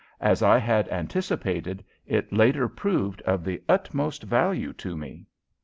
As I had anticipated, it later proved of the utmost value to me.